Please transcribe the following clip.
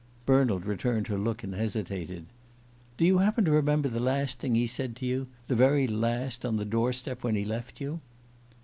Bernald returned her look and hesitated. "Do you happen to remember the last thing he said to you the very last, on the door step, when he left you?"